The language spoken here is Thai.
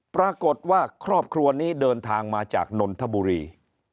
ปรากฏว่าครอบครัวนี้เดินทางมาจากนนทบุรี